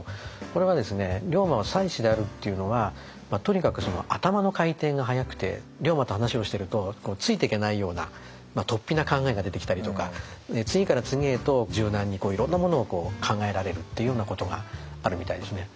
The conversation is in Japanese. これは「龍馬は才子である」っていうのはとにかく頭の回転が速くて龍馬と話をしてるとついてけないようなとっぴな考えが出てきたりとか。次から次へと柔軟にこういろんなものを考えられるっていうようなことがあるみたいですね。